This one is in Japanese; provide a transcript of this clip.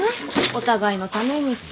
お互いのためにさ。